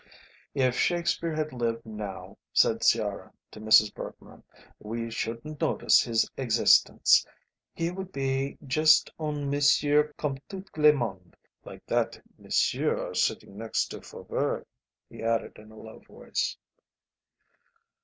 "If Shakespeare had lived now," said Sciarra to Mrs. Bergmann, "we shouldn't notice his existence; he would be just un monsieur comme tout le monde like that monsieur sitting next to Faubourg," he added in a low voice.